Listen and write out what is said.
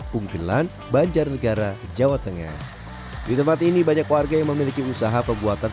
punggelan banjarnegara jawa tengah di tempat ini banyak warga yang memiliki usaha pembuatan